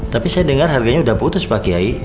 tapi saya dengar harganya sudah putus pak kiai